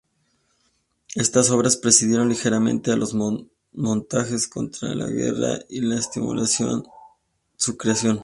Estas obras precedieron ligeramente a los montajes contra la guerra y estimularon su creación.